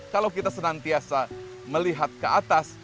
kalau kita senantiasa melihat ke atas